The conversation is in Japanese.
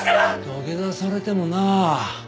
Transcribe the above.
土下座されてもなあ。